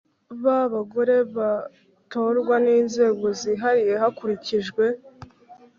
b abagore batorwa n inzego zihariye hakurikijwe